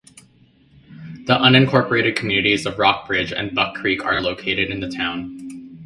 The unincorporated communities of Rockbridge and Buck Creek are located in the town.